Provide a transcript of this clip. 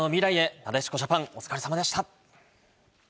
なでしこジャパン、お疲れ様でした。